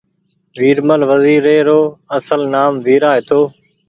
ويرمل وزير ري رو اصل نآم ويرا هيتو